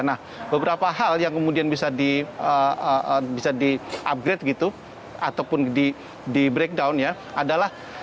nah beberapa hal yang kemudian bisa di upgrade gitu ataupun di breakdown ya adalah